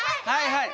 はい！